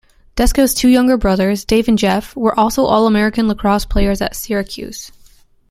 Desko's two younger brothers, Dave and Jeff, were also All-American lacrosse players at Syracuse.